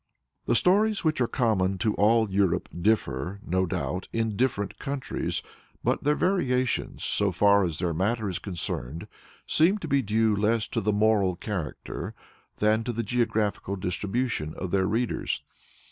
The stories which are common to all Europe differ, no doubt, in different countries, but their variations, so far as their matter is concerned, seem to be due less to the moral character than to the geographical distribution of their reciters.